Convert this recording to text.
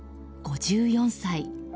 ５４歳。